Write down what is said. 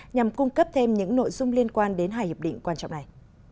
nhằm cung cấp thêm những nội dung liên quan đến hai hiệp định quan trọng này